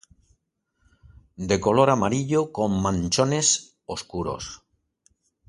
De color amarillo con manchones oscuros.